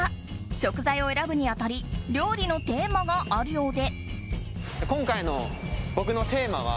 食材を選ぶに当たり料理のテーマがあるようで。